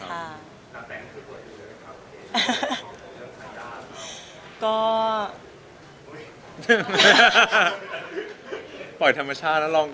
เก๋จะมีโอกาสได้ชุดคู่กับผู้ชายที่สุดของเก๋